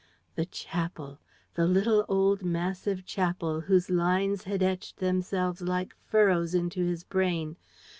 The chapel! The little old massive chapel, whose lines had etched themselves like furrows into his brain!